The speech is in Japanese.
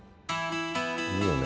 いいよね。